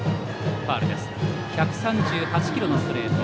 １３８キロのストレート。